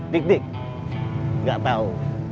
dik dik gak tau